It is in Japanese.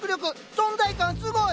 存在感すごい！